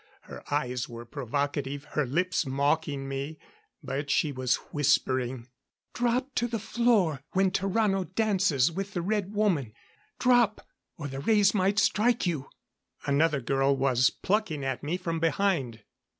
Her eyes were provocative; her lips mocking me. But she was whispering, "Drop to the floor when Tarrano dances with the Red Woman drop or the rays might strike you!" Another girl was plucking at me from behind.